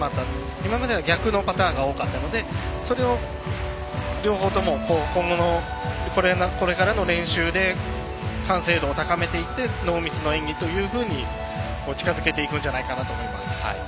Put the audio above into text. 今までは逆のパターンが多かったのでそれを、両方ともこれからの練習で完成度を高めていってノーミスの演技というふうに近づけていくんじゃないかなと思います。